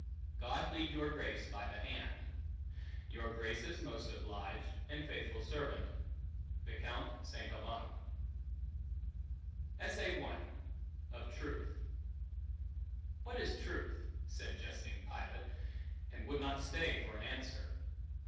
God leade your Grace by the Hand. Your Graces most Obliged and faithfull Servant, FR. ST. ALBAN Of Truth WHAT is truth? said jesting Pilate, and would not stay for an answer.